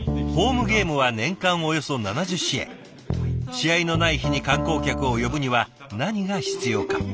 試合のない日に観光客を呼ぶには何が必要か？